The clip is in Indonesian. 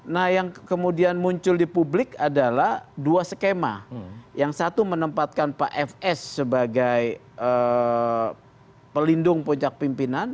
nah yang kemudian muncul di publik adalah dua skema yang satu menempatkan pak fs sebagai pelindung puncak pimpinan